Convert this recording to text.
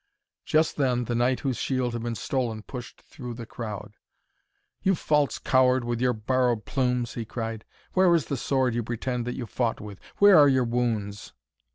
Just then the knight whose shield had been stolen pushed through the crowd. 'You false coward with your borrowed plumes!' he cried. 'Where is the sword you pretend that you fought with? Where are your wounds?'